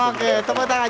oke tepuk tangan